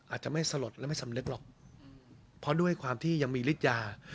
อาจจะไม่สลดและไม่สำนึกหรอกเพราะด้วยความที่ยังมีฤทยา